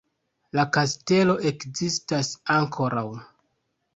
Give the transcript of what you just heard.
La kastelo ekzistas ankoraŭ.